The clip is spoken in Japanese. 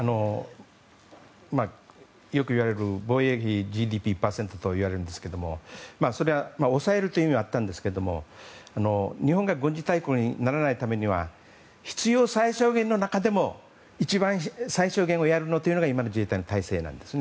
よくいわれる防衛費ＧＤＰ１％といわれるんですけどそれは抑えるという意味があったんですけど日本が軍事大国にならないためには必要最小限の中でも一番最小限をやるというのが今の自衛隊の体制なんです。